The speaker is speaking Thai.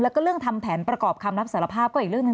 แล้วก็เรื่องทำแผนประกอบคำรับสารภาพก็อีกเรื่องหนึ่ง